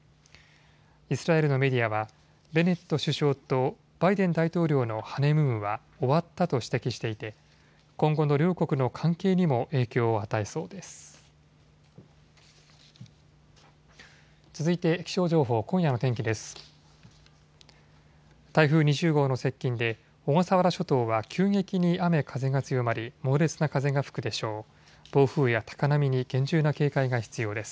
イスラエルのメディアはベネット首相とバイデン大統領のハネムーンは終わったと指摘していて今後の両国の関係にも影響を与えそうです。